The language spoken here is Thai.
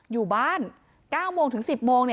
อยู่บ้าน๙โมงถึง๑๐โมง